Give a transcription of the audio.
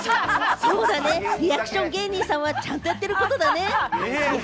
リアクション芸人さんはちゃんとやってることだね。